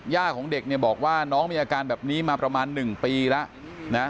ย่าของเด็กบอกว่าน้องมีอาการแบบนี้มาประมาณ๑ปีแล้ว